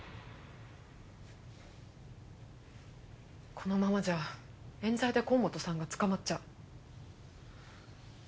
このままじゃ冤罪で河本さんが捕まっちゃう。